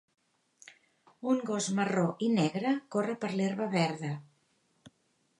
Un gos marró i negre corre per l'herba verda.